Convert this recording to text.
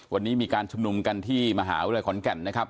วันนี้มีการชุมนุมกันที่มหาวิทยาลัยขอนแก่นนะครับ